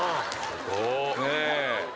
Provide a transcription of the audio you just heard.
すごっ。